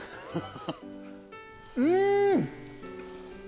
うん！